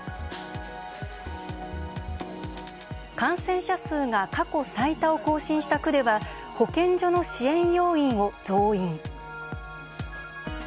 感染者数が過去最多を更新した区では保健所の支援要員を増員。